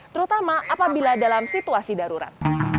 terutama apabila dalam situasi darurat